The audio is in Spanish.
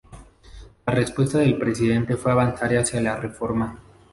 La respuesta del presidente fue avanzar hacia la reforma.